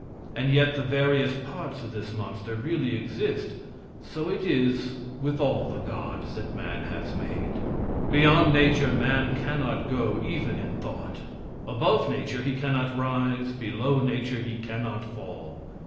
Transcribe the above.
And yet the various parts of this monster really exist. So it is with all the gods that man has made. Beyond nature man cannot go even in thought above nature he cannot rise below nature he cannot fall.